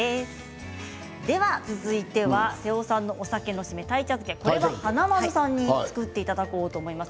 続いては瀬尾さんのお酒の締め、鯛茶漬けを華丸さんに作っていただきます。